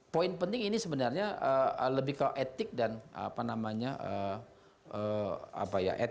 poin penting ini sebenarnya lebih ke etik dan apa namanya